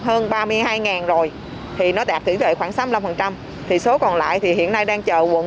hơn ba mươi hai rồi thì nó đạt tỷ lệ khoảng sáu mươi năm thì số còn lại thì hiện nay đang chờ quận